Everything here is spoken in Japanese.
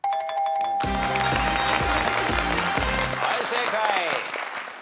はい正解。